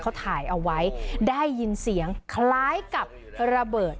เขาถ่ายเอาไว้ได้ยินเสียงคล้ายกับระเบิด